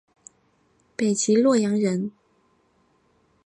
北齐洛阳人。